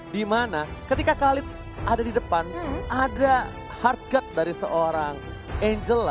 dimana ketika khalid ada di depan ada hardgat dari seorang angela